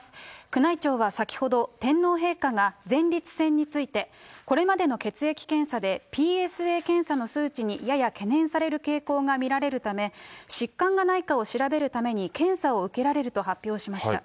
宮内庁は先ほど、天皇陛下が前立腺について、これまでの血液検査でＰＳＡ検査の数値にやや懸念される傾向が見られるため、疾患がないかを調べるために検査を受けられると発表しました。